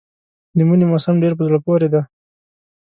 د مني موسم ډېر په زړه پورې دی.